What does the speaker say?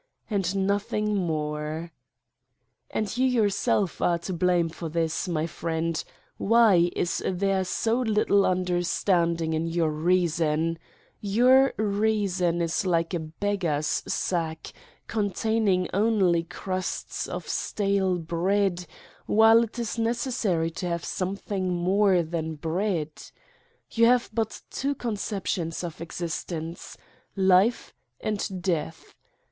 And nothing more. And you yourself are to blame for this, my friend: why is there so little understanding in 3 Satan's Diary your reaspnf Your reason is like a beggar's sack, containing only crusts of stale bread, while it is necessary to have something more than bread. You have but two conceptions of existence: life and death.